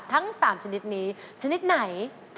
ทั้ง๓ชนิดนี้ชนิดไหน